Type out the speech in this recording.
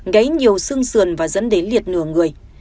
gáy nhiều xương sườn và dẫn đến liệt nửa người